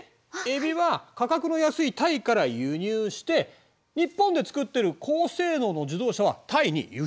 エビは価格の安いタイから輸入して日本で作ってる高性能の自動車はタイに輸出される。